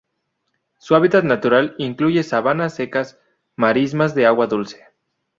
Su hábitat natural incluye sabanas secas, marismas de agua dulce.